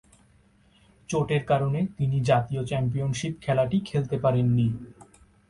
চোটের কারণে তিনি জাতীয় চ্যাম্পিয়নশিপ খেলাটি খেলতে পারেননি।